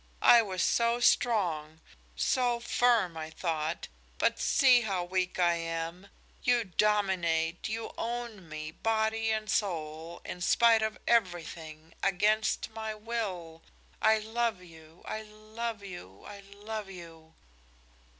I was so strong, so firm, I thought, but see how weak I am. You dominate, you own me, body and soul, in spite of everything, against my will. I Love you I love you I love you!"